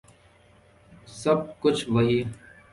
سَب کُچھ وہی